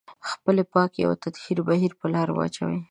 د خپلې پاکي او تطهير بهير په لار واچوي.